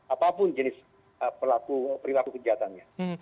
apapun jenis perilaku kejahatannya